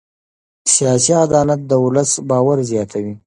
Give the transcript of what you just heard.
سیاسي عدالت د ولس باور زیاتوي